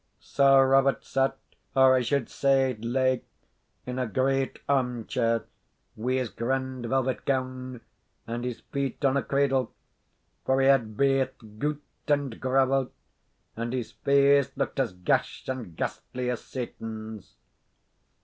Sir Robert sat, or, I should say, lay, in a great arm chair, wi' his grand velvet gown, and his feet on a cradle, for he had baith gout and gravel, and his face looked as gash and ghastly as Satan's.